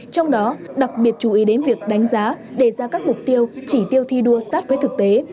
trong đó đặc biệt chú ý đến việc đánh giá đề ra các mục tiêu chỉ tiêu thi đua sát với thực tế